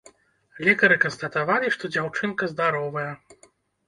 Лекары канстатавалі, што дзяўчынка здаровая.